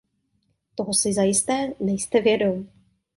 Toho si zajisté nejste vědom.